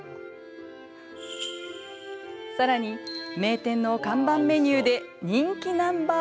さらに名店の看板メニューで人気ナンバー